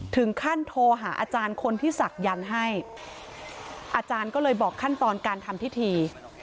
ถึงขั้นโทรหาอาจารย์คนที่ศักดิ์ให้อาจารย์ก็เลยบอกขั้นตอนการทำพิธี